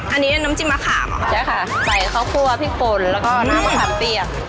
อันนี้น้ำจิ้มมะขามใช่ค่ะใส่ข้าวคั่วพริกป่นแล้วก็น้ำมะขามเปียก